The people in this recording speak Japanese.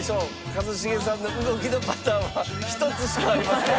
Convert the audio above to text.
一茂さんの動きのパターンは１つしかありません。